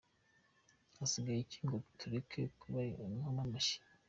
– Hasigaye iki ngo tureke kuba inkomamashyi!